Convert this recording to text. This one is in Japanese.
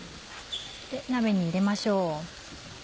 鍋に入れましょう。